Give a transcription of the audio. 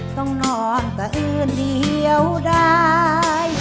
ต้องนอนตะอื้นเดียวได้